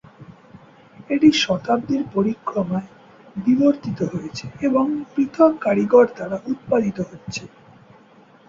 এটি শতাব্দীর পরিক্রমায় বিবর্তিত হয়েছে এবং পৃথক কারিগর দ্বারা উৎপাদিত হচ্ছে।